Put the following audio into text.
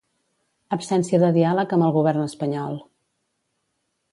Absència de diàleg amb el govern espanyol.